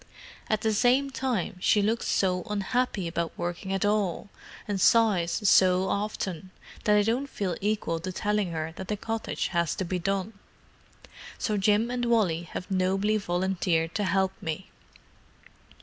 At the same time, she looks so unhappy about working at all, and sighs so often, that I don't feel equal to telling her that the cottage has to be done. So Jim and Wally have nobly volunteered to help me."